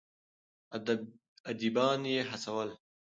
اديبان يې هڅول.